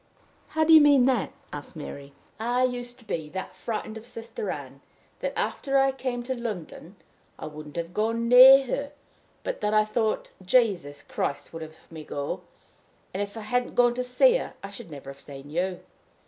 "How do you mean that?" asked Mary. "I used to be that frightened of Sister Ann that, after I came to London, I wouldn't have gone near her, but that I thought Jesus Christ would have me go; and, if I hadn't gone to see her, I should never have seen you.